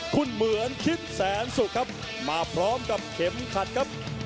คุณเหมือนคิดแสนสุขครับมาพร้อมกับเข็มขัดครับ